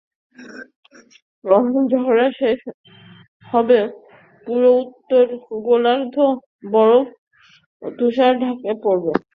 যখন ঝড়টা শেষ হবে, পুরো উত্তর গোলার্ধ বরফ এবং তুষারে ঢাকা পড়ে যাবে।